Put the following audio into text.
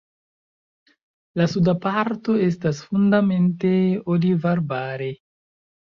La suda parto estas fundamente olivarbare.